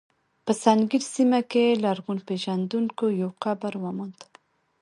په سنګیر سیمه کې لرغونپېژندونکو یو قبر وموند.